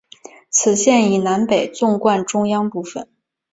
此线以南北纵贯中央部分。